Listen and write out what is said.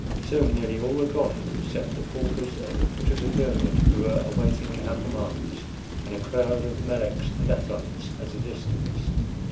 Soon nearly all were gone except the paupers at the foot of the pyramid, who were awaiting our commands, and a crowd of Meleks and Athons at a distance.